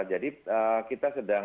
jadi kita sedang